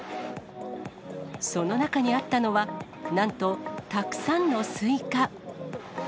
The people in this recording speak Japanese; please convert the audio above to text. その中にあったのは、なんと、たくさんのスイカ。